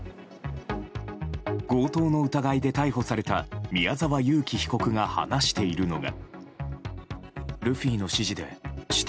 強盗の疑いで逮捕された宮沢優樹被告が話しているのが。